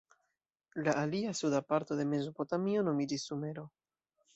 La alia, suda parto de Mezopotamio nomiĝis Sumero.